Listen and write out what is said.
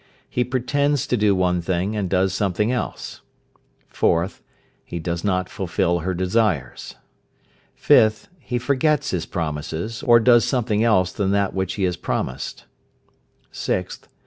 He pretends to do one thing, and does something else. 4th. He does not fulfil her desires. 5th. He forgets his promises, or does something else than that which he has promised. 6th.